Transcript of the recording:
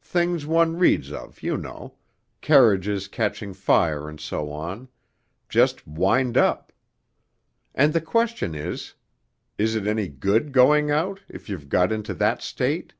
things one reads of, you know ... carriages catching fire, and so on ... just "wind up." And the question is is it any good going out, if you've got into that state?...